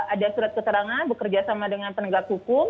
ada surat keterangan bekerja sama dengan penegak hukum